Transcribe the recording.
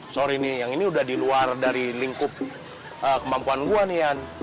sorry nih yang ini udah diluar dari lingkup kemampuan gue nih yan